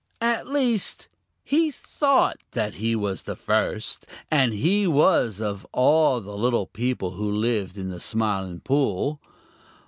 At least, he thought that he was the first, and he was of all the little people who live in the Smiling Pool.